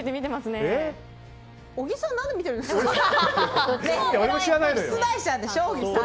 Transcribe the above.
小木さん何で見てるんですか？